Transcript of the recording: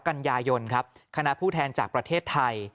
กันยายนครับคณะผู้แทนจากประเทศไทย